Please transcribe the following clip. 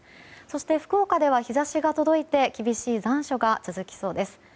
そして、福岡では日差しが届き厳しい残暑が続きそうです。